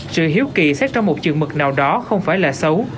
sự hiếu kỳ xét ra một trường mực nào đó không phải là xấu